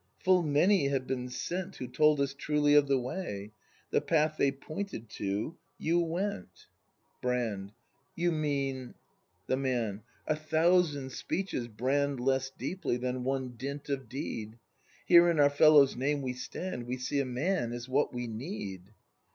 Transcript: Full many have been sent Who told us truly of the way; The path they pointed to, you went. 76 BRAND [act ii Brand. You mean ? The Man. A thousand speeches brand Less deeply than one dint of deed. Here in our fellows' name we stand; — We see, a man is what we need.